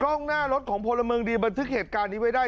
กล้องหน้ารถของพลเมืองดีบันทึกเหตุการณ์นี้ไว้ได้